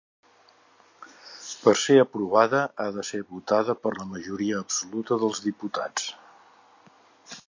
Per ser aprovada ha de ser votada per la majoria absoluta dels diputats.